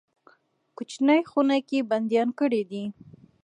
کوچنۍ خونه کې بندیان کړي دي.